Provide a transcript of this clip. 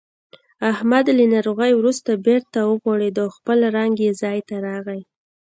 احمد له ناروغۍ ورسته بېرته و غوړېدو. خپل رنګ یې ځای ته راغی.